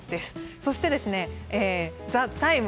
そして「ＴＨＥＴＩＭＥ，」